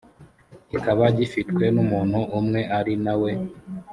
kikaba gifitwe n umuntu umwe ari na we